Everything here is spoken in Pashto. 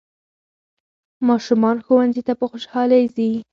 ماشومان ښوونځي ته په خوشحالۍ ځي